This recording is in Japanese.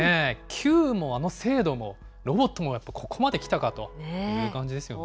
ＣＵＥも、あの精度も、ロボットもやっぱ、ここまで来たかという感じですよね。